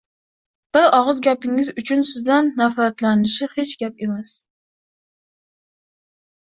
bir og‘iz gapingiz uchun sizdan nafratlanishi hech gap emas.